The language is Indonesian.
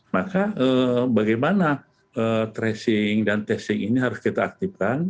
maka bagaimana tracing dan testing ini harus kita aktifkan